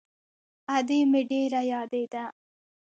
ادې مې ډېره يادېده.